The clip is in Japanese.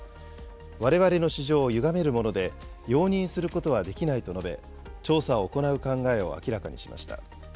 われわれの市場をゆがめるもので、容認することはできないと述べ、調査を行う考えを明らかにしました。